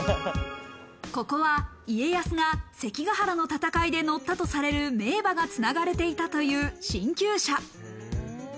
ここは家康が関ヶ原の戦いで乗ったとされる名馬が繋がれていたという神厩舎。